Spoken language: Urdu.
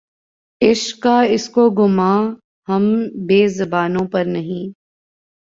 عشق کا‘ اس کو گماں‘ ہم بے زبانوں پر نہیں